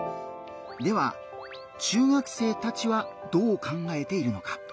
では中学生たちはどう考えているのか？